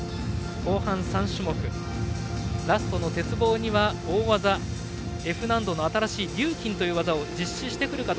後半３種目ラストの鉄棒には大技Ｆ難度の新しいリューキンという技を実施してくるか。